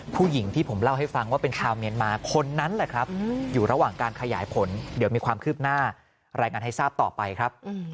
ต้นตอนสำคัญสุดเลยนะคะ